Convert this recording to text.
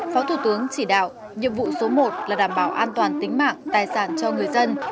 phó thủ tướng chỉ đạo nhiệm vụ số một là đảm bảo an toàn tính mạng tài sản cho người dân